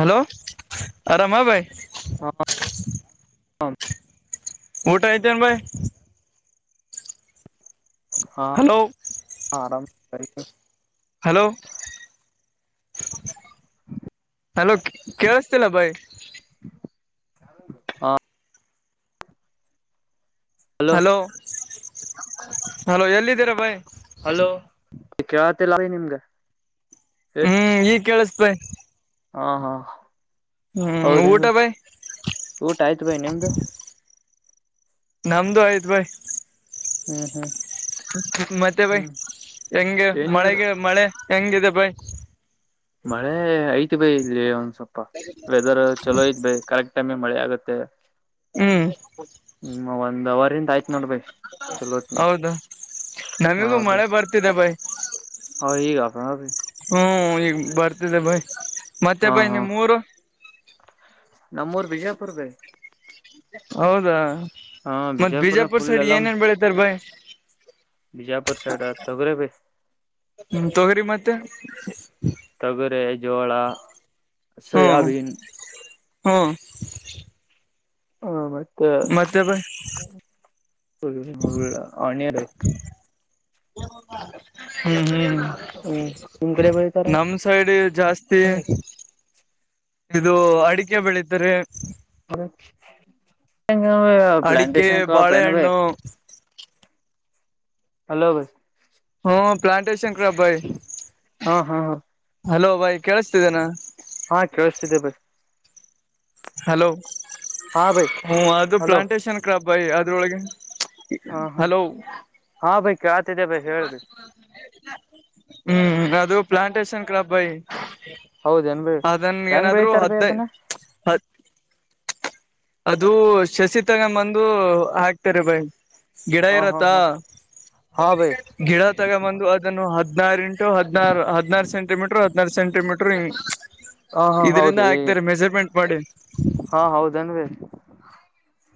Hello ಆ ರಾಮ ಭೈ ಹ ಊಟ ಐತನು ಭಾಯ ಹಾ ಹಲೋ ಆರಾಮ ಹಲೋ ಹಲೋ ಕೇಳಸ್ತಿಲ್ಲ ಭೈ ಹಾ ಹಲೋ ಹಲೋ ಎಲ್ಲಿದ್ದೀರಾ ಬಾಯ್ ಕೇಳತ್ತಲ್ಲ ನಿಮ್ಗ ಹ್ಮ್ ಈಗ್ ಕೇಳಿಸಪೈ ಹಾ ಹಾ ಹೌದಂಗ ಊಟ ಬಾಯ್ ಊಟ ಆಯ್ತು ಭಾಯಿ ನಿಮ್ದು ನಮ್ದು ಆಯ್ತ್ು ಬಾಯ ಹ್ಮ್ ಹ್ಮ್ ಮತ್ತೆ ಬೈ ಹ್ಮ್ ಹೆಂಂಗಗೆ ಏನಿಲ್ರಿ ಮಳೆಗೆ ಮಳೆ ಹೆಂಗಿದೆ ಬೈ ಮಳೆ ಐತ್ ಬೈ ಇಲ್ಲಿ ಒಂದ್ ಸ್ವಪ ವೆದರ್ ಚಲೋ ಐತ್ ಬೈ ಕರೆಕ್ಟ್ ಟೈಮ್ ಮಳೆ ಆಗುತ್ತೆ ಹ್ಮ್ ಒಂದ್ ಅವರಿಂದ ಆಯ್ತ್ ನೋಡ್ಬೇಕೇ ಚಲೋನ ಹೌದಾ ನಮಿಗೂ ಹದು ಮಳೆ ಬರ್ತಿದೆ ಬಾಯ್ ಹ ಈಗ ಹ್ಮ್ ಈಗ ಬರ್ತಿದೆ ಬೈ ಮತ್ತೆ ಹಾ ಬೈ ಹಾ ನಿಮ್ ಮೂರು ನಮ್ಮೂರ್ ಬಿಜಯಾಪುರ್ ಭ ಹೌದಾ ಮತ್ತ ಬಿಜಾಪುರ್ನ ಬಿಜಾಪುರ್ ಫುಲ್ ಸೈಡ್ ಎಲ್ಲ ಏನೇನ್ ಬೆಳತಾರ ಬಾಯಿ ರ್ ಸೈಡ ತಗರ ಬಸ್ ಹ್ಮ ತೊಗರಿ ಮತ್ತೆ ವಗರೆ ಜೋಳ ಸೋಯಬನ್ ಹಾಂ ಹ ಮತ್ತೆ ಆನಿಯನ್ ಹತ್ತು ಹ್ಮ್ ಹ್ಮ್ ಹ್ಮ್ ನಿಮ್ ಕಡೆ ಬೆಳಿತಾರ ನಮ್ ಸೈಡ್ ಜಾಸ್ತಿ ಇದು ಅಡಿಕೆ ಬೆಳಿತಾರೆ ಅಡಿಕೆ ಪ್ಲಾಂಟೇಶನ್ಪ್ನು ಭ ಬಾಳೆಹಣ್ಣು ಹಲೋ ಬೈ ಹ್ಮ ಪ್ಲಾಂಟೇಶನ್ ಕಬಾಯ ಹಾ ಹಾ ಹಾ ಹಲೋ ಬಾಯ್ ಕೇಳಿಸ್ತಿದ್ದನಾ ಹಾ ಕೇೇಳಿಸತಿದ್ದೆ ಬೈ ಹಲೋ ಹಾ ಬೈ ಹ ಅದು ಹಲೋ ಪ್ಲಾಂಟೇಶನ್ ಕ್ರಾಬ್ ಅದ್ರೊಳಗೆ ಹಾ ಹಾ ಹಲೋ ಹಾ ಬೈ ಕೇಳತಿದ್ದೆ ಬೈ ಹೇಳ ಬೈ ಹ್ಮ್ ಅದು ಪ್ಲಾಂಟೇಶನ್ ಕ್ಲಬ್ ಬಾಯ್ ಹೌದೇನ್ ಬೈ ಅದನ್ ಹೆಂಗ್ ಏನಾದ್ರು ಬೆಳಿತಾರ ಬೈ ಹದ್ ಅದನ್ನ ಹತ್ ಅದು ಶಸಿ ತಗೊ ಬಂದು ಹಾಕ್ತಾರೆ ಬಾಯಿ ಗಿಡ ಹಾ ಹಾ ಇರತ್ತಾ ಹಾ ಹಾ ಬೈ ಗಿಡ ತಗೊ ಬಂದು ಅದನ್ನು ಹ ಹದನಾರು ಇಂಟು ಹದನರೂ ಹದನಾರು ಸಂಟಿಮೀಟರ್ ಹದಿನಾರು ಸೆಂಟಿಮೀಟರ್ ಹ್. ಹಾ ಹಾ ಹೌದ ಮಾಡಿ ಹಾ ಹೌದನ್ವ.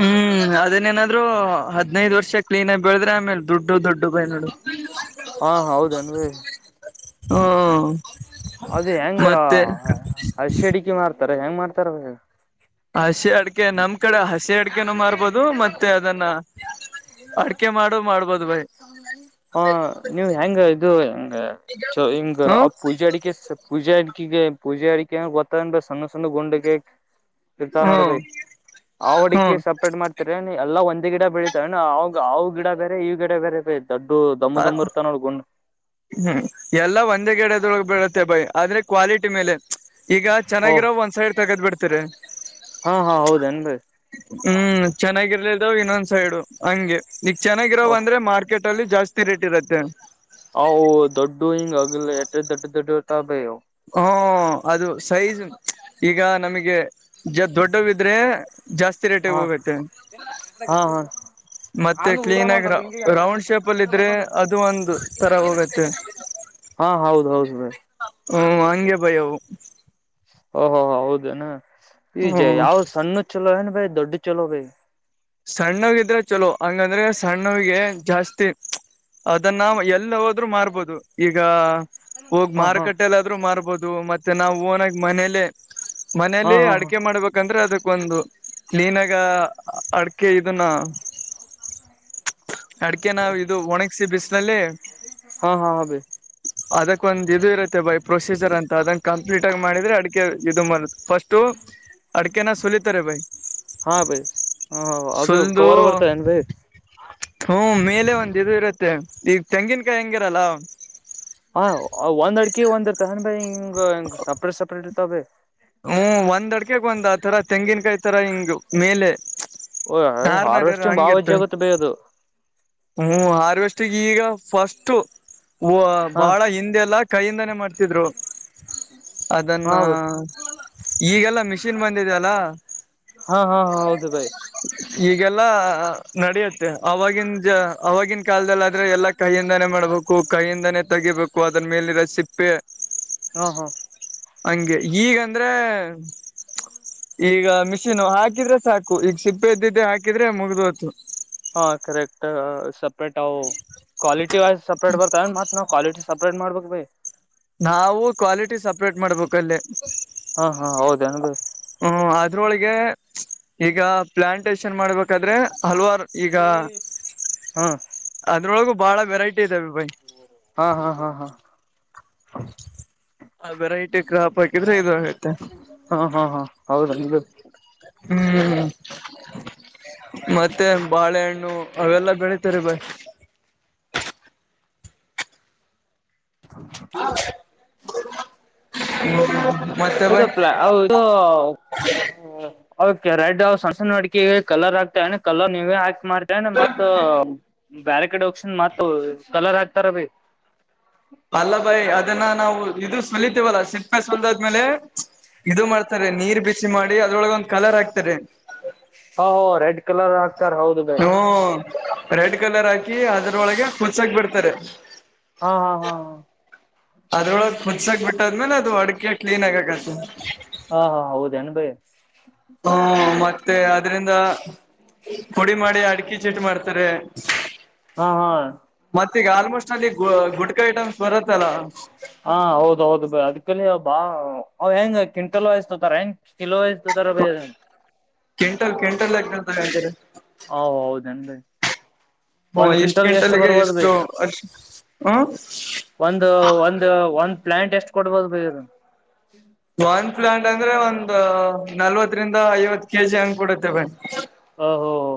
ಹ್ಮ್ ಅದನ್ ಏನಾದ್ರು ಹದ್ನೈದ ವರ್ಷ ಕ್ಲೀನ್ ಆಗಿ ಬೆಳದ್ರೆ ಆಮೇಲ್. ದೊಡ್ಡು ದೊಡ್ಡುು ಬ ಹಾ ಹೌದನ್ ಬೈ [unintelligible] ಅದು ಹೆಂಗ ಅಸಿ ಅಡಿಕೆ ಮಾಡ್ತಾರ ಹೆಂಗ್ ಮಾಡ್ತಾರ ಅವ. ಹಸಿ ಅಡಕೆ ನಮ್ ಕಡೆ ಹಸಿ ಅಡಕೆ. ಅ ಮಾಡ್ಬೋದು ಮತ್ತೆ ಅದನ್ನ ಅಡೆ ಮಾಡ. [inaudible] ಹಾ ನೀವು್ ಹೆಂಗ ಇದು ಹೆಂಗ ಹಿಂಗ ಹ್ಮ ಆ ಪೂಜೆ ಅಡಿಕೆ ಪೂಜೆ ಅ. ಗೆ ಪೂಜೆ ಅಡ ಗೊತ್ತ ಸಣ್ಣ ಸಣ್ಣ ಗುಂಡ ಕಕ. ಇರ್ತಾ ನೋಡ ಹ್ಮ್ ಬೈ ಆ ಹುಡಿಕಿ ಹ್ಮ್ ಸಪ್ರೇಟ್ ಮಾಡ್ತರ ಎಲ್ಲಾ ಒಂ. ಓ ಗಿಡ ಬೆಳಿತತಾವಣ್ಣವುವು ಗಿಡ ಬೇರೆ ಈವು ಗಿಡ ಬೇರೆ ಬಳ. ಅ ಹ್ಮ್ ಎಲ್ಲ ಒಂದೇ ಗಗೆಡದೊಳಗೆ ಬೀಡತ್ತೆ ಬಾಯ ಆದ್ರೆ. ಕ್ವಾಲಿಟಿ ಮೇಲೆ ಈಗ ಓಹ ಚೆನ್ನಾಗಿರೋ ಒಂದ್ ಸೈಡ್ ತಗದ್ ಬಿಡ್ತೀರಿ. ಹಾ ಹಾ ಹೌದ ಅನ. ಬಾಯ್ ಹ್ಮ್ ಚೆನ್ನಾಗಿರ್ಲದಾವ್ ಇನ್ನೊಂದ್ ಸೈಡು ಹಂಗೆ ಈಗ ಚೆನ್ನಾಗಿರಾವ ಅಂದ್ರೆ ಮಾರ್ಕೆಟ್ ಅಲ್ಲಿ ಜಾಸ್ತಿ. ತಿರಿಟ್ಟಿರುತ್ತೆ. ಅ ದೊಡ್ಡು ಹಿಂಗ ಅಗ ಎಟ್ಟ ದೊಡ್ಡ ದೊಡ್ಡ ಇತ ಭಯವು. ಹ್ಮ ಅದು ಸೈಜ್ ಈಗ ನಮಗೆ. ದೊಡ್ಡವಿದ್ರೆ ಜಾಸ್ತಿ ರೇಟಗ ಹಾ ಹೋಗುತ್ತೆ. ಹಾ ಹಾ. ಮತ್ತೆ ನ ಕ್ಲೀನ್ ಹುಡ್ರನ ಆಗಿ ಒಂತ ಬೆಂಗಿಗ ಹಾಕ ರೌಂಡ್ ಶೇಪ್ ಅಲ್ಲಿ ಇದ್ರೆ ಬರ್ಕೊಂಡ. ಅದು ಒಂದು ತರ ಹೋಗತ್ತೆ ಹಾ ಹೌದ ಹೌದು ಬಾಯ್ ಹ ಅಂಗೆ ಬಾಯ್ ಅವು ಓಹೋ ಹ ಹೌದೇನ ಈಜ ಹ್ಮ್ ಯಾವ್ ಸಣ್ಣದ ಚಲೋ ಏನ್ ಭೈ ದೊಡ್ಡ ಚಲೋ ಭೈ. ಸಣ್ಣವಿದ್ರೆ ಚಲೋ ಹಂಗಂದ್ರೆ ಸಣ್ಣವಿಗೆ ಜಾಸ್ತಿ. ಅದನ್ನ ಎಲ್ಲ ಹೋದ್ರು ಮಾರ್ಬೋದು ಈಗ ಹೋಗ ಹಾ ಹಾ ಮಾರುಕಟ್ಟೆೆ ಮಾರ್ಬಹದು. ದು ಮತ್ತೆ ನಾವು ಓನಾಗ ಮನೇಲೆ ಹಾ ಮನೇಲಿ ಹಾ ಹಾ ಅಡಕೆ ಮಾಡ್ಬೇಕಂದ್ರೆ ಅದ. ಒಂದು ಕ್ಲೀನ ಆಗಿ ಅಡ್ಕೆ ಇದನ್ನ. ಅಡಿಕೆ ನಾವ ಇದು ಒಣಗಿಸಿ ಬಿಸಿನಲ್ಲಿ ಹಾ ಹಾ ಹಾ ಬೈ ಅದಕ್ಕ ಒಂದು. ಇದು ಇರುತ್ತೆ ಬೈ ಪ್ರೊಸೀಜರ್ ಅಂತ ಅದಂಗ ಕಂಪ್ಲೀಟ್ ಆಗಿ ಮಾಡಿದ್ರೆ ಅಡಿಕ ಇದು ಫಸ್ಟ. ಅಡಕೆನ ಸಲಿತಾರೆ ಭಾಯ. ಹಾ ಬೈ ಹ ಅದು ಸುಲ್ದು ಕವರ್ ಬರ್ತದೇನ್ ಬೈ ಹೂ ಮೇಲೆ ಒಂದ ಇದು ಇರುತ್ತೆ. ಈಗ ತೆಂಗಿನಕಾಯಿ ಹೆಂಗಿರಲ್ಲ. ಹ ಒಂದ್ ಅಡ್ಕೆ ಒಂದ್ ಅಡ್ತ ಅಂದ ಹಿಂಗ ಹಂಗ ಸಪ್ರೇಟ್ ಸಪ್ರೇಟ್ ಇರ್ತಾವ. ಹ್ಮ್ ಒಂದ್ ಅಡ್ಕಗ್ ಒಂದ್ ಆತರ ತೆಂಗಿನಕಾಯಿ ತರ ಹಿಂಗ್ ಮೇಲೆ. ಓ ನಾರ್ನಾರ ಹಾರ್ವೆಸ್ಟಿಂಗ್ ಭಾವ ಹೆಜ್ಜ ಹಂಗಿರ್ತವೆ ಆಗುತ್ತೆ ಬೇ ಅದು. ಹ್ಮ್ ಹಾರ್ವೆಸ್ಟಿಗ ಈಗ ಫಸ್ಟು ವೋ ಹಾ ಬಾಳ ಹಿಂದೆಲ್ಲ ಕೈಯಿಂದಾನೇ ಮಾಡ್ತಿದ್ರು ಅದನ್ನ. ಹಾ ಬೈ ಈಗೆಲಾ ಮಿಷಿನ ಬಂದಿದ್ಯಲಾ ಹಾ ಹಾ ಹೌದು ಬೈ ಈಗೆಲ್ಲಾ ನಡೆಯುತ್ತೆ ಆವಾಗಿಂದ ಜ ಅವವಾಗಿನ ಕಾಲದಲ್ಲಿ ಆದ್ರೆ ಎಲ್ಲಾ ಕೈಯಿಂದಾನೆ ಮಾಡ್ಬೇಕು ಕೈಯಿಂದಾನೇ ತೆಗಿಬೇಕು ಅದ್ರ ಮೇಲಿರೋ ಸಿಪ್ಪೆ. ಹಾ ಹಾ. ಹಂಗೆ ಈಗಂದ್ರೆ ಈಗ ಮಿಷಿನ ಹಾಕಿದ್ರೆ. ಸಾಕು ಈಗ ಸಿಪ್ಪೆ ಇದ್ದಿದೆ ಹಾಕಿದ್ರೆ ಮುಗ್ಡೊತು ಹಾ ಕರೆಕ್ಟ್ ಸಪ್ರೇಟ್ ಅವೂ ಕ್ವಾಲಿಟಿ ವೈಸ್ ಸಪ್ರೇಟ್ ಬರ್ತವ ಏನ್ ಮತ್ ಅವು. ಕ್ವಾಲಿಟಿ ಸಪ್ರೇಟ್ ಮಾಡ್ಬೇಕ ಬಾಯಿ. ನಾವು ಕ್ವಾಲಿಟಿ ಸಪ್ರೇಟ್ ಮಾಡ್ಬೇಕು. ಕಲ್ಲೇ ಹಾ ಹಾ ಹೌದೇನ್ ಬೈ ಹೂ ಆದ್ರೊಳಿಗೆ ಗೆ ಈಗ ಪ್ಲಾಂಟೇಷನ್ ಮಾಡಬೇಕಾದರೆ ಹಲವಾರು ಈಗಾ ಹ್ಮ್ ಅದರೊಳಗೂ ಬಾಳ ವೆರೈಟಿ ಇದ್ದಾವೆ ಇವು ಹಾ ಹಾ ಹಾ ಹಾ ಆ ವೆರೈಟಿ ಕ್ರಾಪ್ ಹಾಕಿದ್ರೆ ಇದು ಇರುತೆ ಹಾ ಹಾ ಹಾ ಹೌದೇನ್ ಬೈ ಹು ಮತ್ತೆ ಬಾಳೆಹಣ್ಣು ಅವೆಲ್ಲಾ ಬೆಳಿತಾರೆ ಬಾಯ್ [unintelligible] ಮತ್ತೆ ಅದು ಬಾಯ್ ಪ್ಲಾ ಅವ ಇದು ಅವಕ ರೆಡ್ ಅವ ಸಣಸಣ ಅಡಿಕೀ ಕಲರ್ ಹಾಕ್ತಿಯೇನು ಕಲರ್ ನೀವೇ ಹಾಕಿ ಮಾಡ್ತಿಯೇನ ಮತ್ತ ಬ್ಯಾರಕಡೆ ಹೋಗಿಸ್ಇಂದ ಮತ್ತ ಕಲರ್ ಹಾಕ್ತಾರ ಬಾಯ್ ಅಲ್ಲಭಾಯಿ ಅದನ್ನ ನಾವು ಇದು ಸುಲೀತೆವಲ್ಲ ಸಿಪ್ಪೆ ಸುಲಿದಾದ್ಮೇಲೆ ಇದು ಮಾಡ್ತಾರೆ ನೀರ್ ಬಿಚ್ಚಿ ಮಾಡಿ ಅದ್ರೊಳಗ ಒಂದ್ ಕಲರ್ ಹಾಕ್ತಾರೆ ಹಾ ಹೋ ರೆಡ್ ಕಲರ್ ಹಾಕ್ತಾರ ಹೌದು ಬೈ ಹ್ಮ್ ರೆಡ್ ಕಲರ್ ಹಾಕಿ ಅದರೊಳಗೆ ಹುಚಕ್ ಬಿಡ್ತಾರೆ ಹಾ ಹಾ ಹಾ ಹಾ ಅದ್ರೊಳಗ್ ಹುನಾಸಕ್ ಬಿಟ್ಟಾದ್ಮೇಲೆ ಅದು ಅಡಿಕೆ ಕ್ಲೀನ್ ಅಗಕತಿತೆ ಹಾ ಹಾ ಹೌದೇನ್ ಭೈ ಹೂ ಮತ್ತೆ ಆದ್ದರಿಂದ ಪುಡಿ ಮಾಡಿ ಅಡಿಕೆ ಚೀಟ ಮಾಡ್ತಾ ರೆ ಹಾ ಹಾ ಮತ್ತ ಈಗ ಆಲ್ಮೋಸ್ಟ್ ಆಲ್ ಗು ಗುಟ್ಕ ಐಟಮ್ಸ್ ಬರತ್ತಲ್ಲ ಹಾ ಹೌದ ಹೌದು ಬ ಅದ್ಕಲ್ಲಿ ಬಾ ಅವ ಹೆಂಗ ಕ್ವಿಂಟಲ್ ವೈಸ್ ತೋತಾರ ಹೆಂಗ ಕಿಲೋ ವೈಸ್ ತೊತಾರ ಬೈ ಕ್ವಿಂಟಲ್ ಕ್ವಿಂಟಲ್ ಲೆಕ್ಕದಲ್ಲಿ ತಗಂತಾರೆ ಹಾ ಹೌದೇನ ಬೈ ಹು ಇಷ್ಟ ಕ್ವಿಂಟಲ್ ಗೆ ಎಷ್ಟು ಅಷ್ಟು ಹೂ ಒಂದು ಒಂದ ಒಂದ್ ಪ್ಲಾಂಟ್ ಎಷ್ಟ್ ಕೊಡ್ಬೋದು ಬೈ ಅದ ಒಂದ ಪ್ಲಾಂಟ್ ಅಂದ್ರೆ ಒಂದ ನಲ್ವತ್ರಿಂದ ಐವತ್ತು ಕೆಜಿ ಹಂಗ ಕೊಡುತೆ ಬೈ ಓಹೋ ಓಹೋ ಹೊ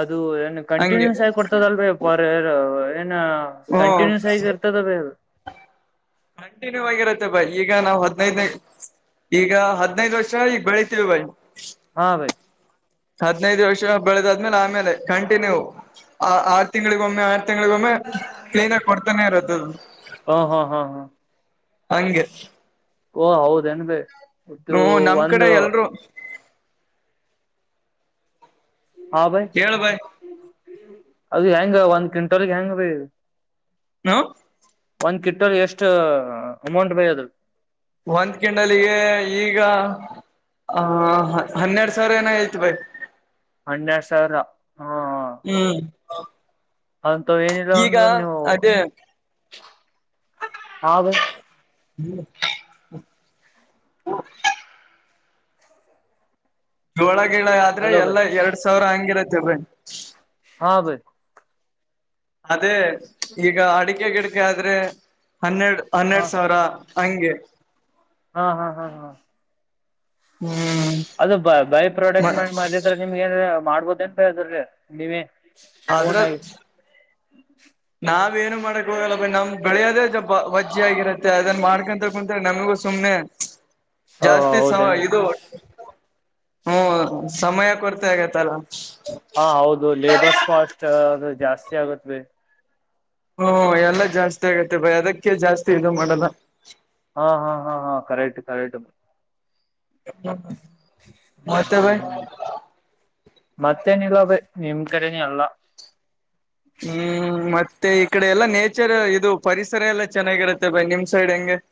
ಅದು ಏನ್ ಹಂಗೆ ಕಂಟಿನ್ಯೂಸ್ ಆಗಿ ಕೊಡ್ತದ ಅಲ್ ಬಾಯ್ ಫೋರ್ ಇಯರ್ ಏನ್ ಹ್ಮ್ ಕಂಟಿನ್ಯೂಸ್ ಆಗಿ ಇರ್ತದ ಬೈ ಅದು ಕಂಟಿನ್ಯೂ ಆಗಿರುತ್ತೆ ಬೈ ಈಗ ನಾವ ಹದ್ನೈದ ಈಗ ಹದ್ನೈದ ವಯಸ್ ಈಗ ಬೆಳತೀವಿ ಬೈ ಹಾ ಬೈ ಹದ್ನೈದ ವರ್ಷ ಬೆಳೆದ ಆದ್ಮೇಲೆ ಆಮೇಲೆ ಕಂಟಿನ್ಯೂ ಆ ಆರು ತಿಂಗಳಿಗ ಒಮ್ಮೆ ಆ ತಿಂಗಳಿಗೊಮ್ಮೆ ಕ್ಲೀನ್ ಆಗಿ ಕೊಡ್ತಾನೆ ಇರುತ್ತದು ಹಾ ಹಾ ಹಾ ಹಾ ಹಂಗೆ ಓ ಹೌದ ಏನ್ ಬೈ ಮತ್ತು ಹ್ಮ ನಮ್ ಕಡೆ ಒಂದು ಎಲ್ರು ಹೇಳ ಬೈ ಅದು ಹೆಂಗ್ ಒಂದ್ ಕ್ವಿಂಟಲ್ಗೆ ಹೆಂಗ್ ಬೈ ನೋ ಒಂದ್ ಕ್ವಿಂಟಲ್ಗೆ ಎಷ್ಟು ಅಮೌಂಟ್ ಬಾಯ್ ಅದು ಒಂದ್ ಕ್ವಿಂಟಲ್ಗೆ ಈಗ ಆ ಹನ್ನೆರಡ ಸರ್ ಏನ ಹೇಳ್ತ ಬೈ ಹನ್ನೆರಡ ಸಾವಿರ ಹಾ ಹ್ಮ್ ಹಂತವ ಏನಿಲ್ಲ ಈಗ ಅಂದ್ರ ನೀವು ಅದೇ ಹಾ ಬಾಯ್ [unintelligible] ಜೋಳ ಗಿಳ ಆದ್ರೆ ಹಲೋ ಬೈ ಎಲ್ಲಾ ಎರಡಸಾವಿರ ಹಂಗಿರುತ್ತೆ ಬಾಯ್ ಹಾ ಬಾಯ್ ಅದೇ ಈಗ ಅಡಿಕೆ ಗಿಡಕೆ ಆದ್ರೆ ಹನ್ನೆರಡು ಹಾ ಹನ್ನೆರಡು ಸಾವಿರ ಹಂಗೆ ಹಾ ಹಾ ಹಾ ಹ್ಮ್ ಅದು ಬೈ ಪ್ರಾಡಕ್ಟ್ ಮಾಡಿ ಮಾರಿದರೆ ನಿಮಗ ಏನರ ಮಾಡ್ಬೋದ ಎಂತ ಹೇಳಿದ್ರ ನೀವೇ ಆದದ್ರ ಹ್ಮ [inaudible] ನಾವ್ ಏನು ಮಾಡಕ್ ಹೋಗಲ್ಲ ಬ ನಮ್ ಬೆಳೆಯೋದೇ ಜ ಬಜ್ಜ ಆಗಿರತ್ತೆ ಅದನ್ ಮಾಡ್ಕೊಂಡ ಕುಂತಾರೆ ನಮಗೂ ಸುಮ್ನೆ ಹ ಜಾಸ್ತಿ ಸಮ ಹೌದೇನ್ ಇದು ಹ್ಮ ಸಮಯ ಕೊರತೆ ಆಗತ್ತಲ್ಲ ಹಾ ಹೌದು ಲೇಬರ್ಸ್ ಕಾಸ್ಟ್ ಅದು ಜಾಸ್ತಿ ಆಗತ್ ಹ್ಮ ಎಲ್ಲಾ ಜಾಸ್ತಿ ಆಗತ್ತೆ ಬಯಿ ಅದಕ್ಕೆ ಜಾಸ್ತಿ ಇದು ಮಾಡಲ್ಲ ಹಾ ಹಾ ಹಾ ಹಾ ಕರೆಕ್ಟ್ ಕರೆಕ್ಟ್ ಮತ್ತ ಭಾಯ ಹ್ಮ್ ಹ್ಮ್ ಮತ್ತೇನಿಲ್ಲ ಬ ನಿಮ್ ಕಡೆನ ಅಲ್ಲ ಹ್ಮ್ ಮತ್ತೆ ಮತ್ತೆ ಈ ಕಡೆ ಎಲ್ಲಾ ನೇಚರ್ ಇದು ಪರಿಸರ ಎಲ್ಲಾ ಚೆನ್ನಾಗಿರುತ್ತೆ ಬೈ ನಿಮ್ ಸೈಡ್ ಹೆಂಗೆ ಹಾ [inaudible]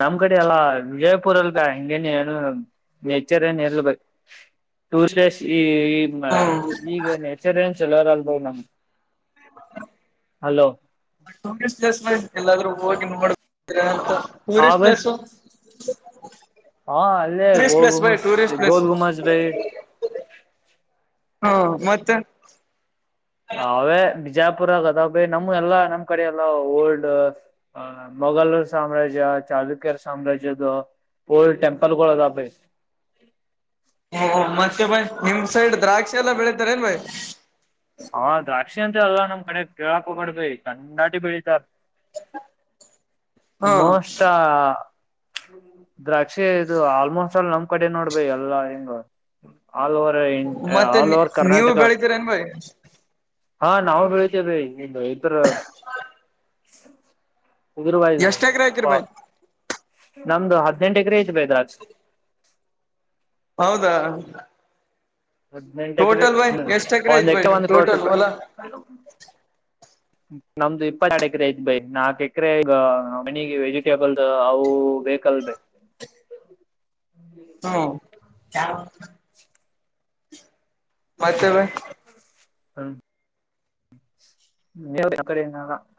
ನಮ್ ಕಡೆ ಎಲ್ಲಾ ವಿಜಯಪುರಲ್ಗ ಹಂಗಗೆನೆ ಏನು ಎಚ್ಚರಿ ನೀ ಇರ್ಲ್ಬೇಕ ಟೂಡೇಸ್ ಈ ಈಗ ನಚರ್ ಹಲೋ ಟೂರಿಸ್ಟ್ ಪ್ಲೇಸ್ ಎಲ್ಲಾದ್ರೂ ಹೋಗಿ ನೋಡ್ ಅಂತ ಹಾ ಟೂರಿಸ್ಟ್ ಬೈ ಪ್ಲೇಸು ಹ [inaudible] ಹಾ ಅಲ್ಲ ಗೋಲ್ ಗುಮಸ ಪ್ಲೇಸ್ ಗೋಲ್ ಗುಮಸ್ ಭೈ ಹಾ ಮತ್ತೆ ಹೇ [unintelligible] ಜಯಪುರ ಆಗದ ಬೇ ನಮ್ಗೆ ಎಲ್ಲಾ ನಮ್ ಕಡೆ ಎಲ್ಲ ಓಲ್ಡ್ ಅ ಮೊಘಲ್ ಸಾಮ್ರಾಜ್ಯ ಚಲುುಕ್ಯರ್ ಸಾಮ್ರಾಜ್ಯದ ಓಲ್ಡ್ ಟೆಂಪಲ್ ಗಳು ಅದ ಬೈ ಓ ಮತ್ತೆ ಬ ನಿಮ್ ಸೈಡ್ ದ್ರಾಕ್ಷಿ ಎಲ್ಲ ಬೆಳತಾರೆ ಅನ್ ಭಾಯ ಹಾ ದ್ರಾಕ್ಷಿ ಅಂತ ಅಲ್ವಾ ನಮ್ ಕಡೆ ಕೇಳಕ್ ಹಗೊಂಡ್ಬ ಚಂಡಾಟಿ ಬೆಳಿತ ಹಾ ಮೋಷ್ಟಾ ದ್ರಾಕ್ಷಿ ಇದು ಆಲ್ಮೋಸ್ಟ್ ಅಲ್ ನಮ್ ಕಡೆ ನೋಡ್ಬೇ ಎಲ್ಲಾ ಹೆಂಗ ಆಲ್ ಓವರ್ ಮತ್ತೆ ಆಲ್ ಓವರ್ ನೀವು ಕರ್ನಾಟಕ ಬೆಳಿತೀರ ಏನ್ ಬೈ ಹಾ ನಾವವು ಹತೇವೆ ಇದರ ಎಷ್ಟ ಎಕ್ರೆ ಆಕಿರ್ ಬಾಯಿ ನಮ್ದು ಹದನೆಂಟು ಎಕರೆ ಐದು ಬೇದ್ರಾಜ ಹೌದಾ ಹದಿನೆಂಟಕ ಟೋಟಲ್ ಬೈ ಎಷ್ಟ್ ಎಕರೆ ಒಂದ ಆಯ್ತ್ ಬೈ ಎಕ್ಕ ನಿಮ್ ಒಂದು ಕೋಟ ಟೋಟಲ್ ರೂಪಾಯಿ ಹೊಲ ನಮ್ದು ಇಪ್ಪತ್ತ ಎರಡು ಎಕರೆ ಐತ್ ಬೈ ನಾಕ ಎಕರೆ ಈ ಮನಿ ವೆಜಿಟೇಬಲ್ ಅವು ಬ ಬೇಗಗುತೆ ಹಾ [inaudible] ಹ್ಮ ಮತ್ತವೆ ಹ್ಮ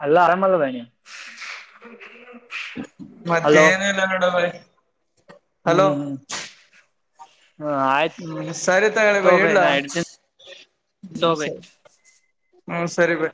ಅಲ್ಲ [unintelligible] ಆರಾಮಲ್ಲ ಬ ನೀ ಮತ್ತೆ ಏನ ಇಲ್ಲ ನೋಡ ಬೈ ಹ್ಮ್ ಹಲೋ ಹ್ಮ್ ಹಾ ಹ್ಮ್ ಸರಿ ತಗೊಳ್ಳಿ ಆಯ್ತುಾ ಬೈ ಇಡ್ಲಾ ನನ್ ಸೋಬೆಟ್ ಹ್ಮ ಸರಿ ಬೈ